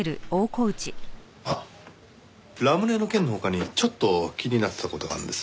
あっラムネの件の他にちょっと気になってた事があるんです。